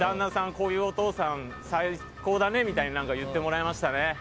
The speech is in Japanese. こういうお父さん最高だねみたいな言ってもらえましたね。